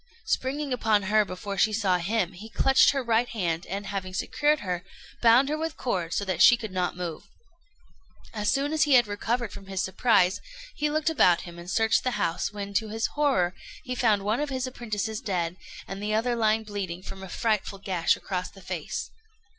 Springing upon her before she saw him, he clutched her right hand, and, having secured her, bound her with cords so that she could not move. As soon as he had recovered from his surprise, he looked about him, and searched the house, when, to his horror, he found one of his apprentices dead, and the other lying bleeding from a frightful gash across the face.